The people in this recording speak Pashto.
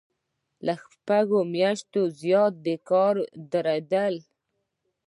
له شپږو میاشتو زیات د کار دریدل.